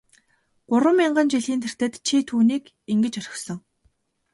Гурван мянган жилийн тэртээд чи түүнийг ингэж орхисон.